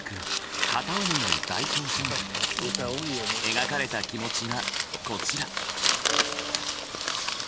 描かれた気持ちがこちら。